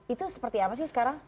itu seperti apa sih sekarang